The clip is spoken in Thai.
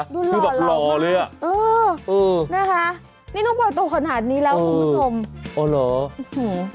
คือแบบหล่อเลยอะเออนะคะนี่น้องปลายโตขนาดนี้แล้วผมไม่สมอ๋อเหรอ